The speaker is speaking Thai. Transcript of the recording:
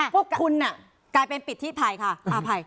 พวกคุณน่ะกลายเป็นปิดที่ภัยค่ะ